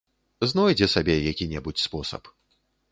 Знойдзе сабе які-небудзь спосаб.